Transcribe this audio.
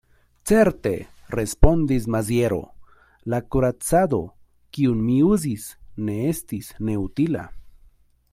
Certe, respondis Maziero, la kuracado, kiun mi uzis, ne estis neutila.